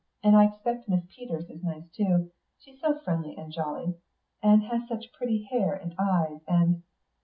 And I expect Miss Peters is nice too; she's so friendly and jolly, and has such pretty hair and eyes. And...."